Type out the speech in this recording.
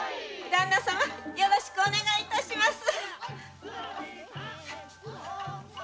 旦那様よろしくお願いします。